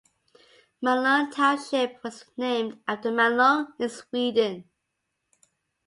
Malung Township was named after Malung, in Sweden.